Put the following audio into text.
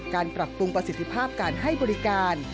การปรับปรุงประสิทธิภาพการให้บริการ